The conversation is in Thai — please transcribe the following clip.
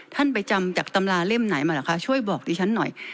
ท่านไปจำจากตำราเล่มไหนมาเหรอคะช่วยบอกดิฉันหน่อย